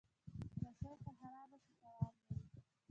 رسۍ که خراب شي، تاوان لري.